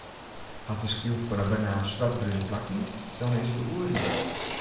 Hat de skyl fan 'e banaan swartbrune plakken, dan is er oerryp.